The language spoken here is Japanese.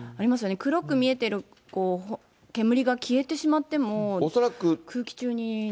黒く見えてる煙が消えてしまっても、空気中にね。